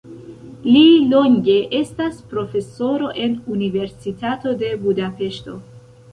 Li longe estas profesoro en Universitato de Budapeŝto.